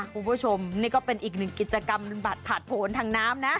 คุณผู้ชมนี่ก็เป็นอีกหนึ่งกิจกรรมบัตรถาดผลทางน้ำนะ